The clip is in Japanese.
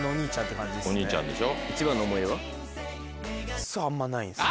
お兄ちゃんでしょ。